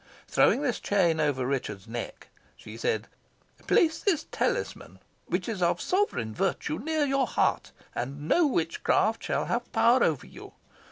Throwing the chain over Richard's neck, she said, "Place this talisman, which is of sovereign virtue, near your heart, and no witchcraft shall have power over you.